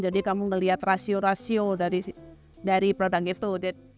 jadi kamu ngelihat rasio rasio dari produk itu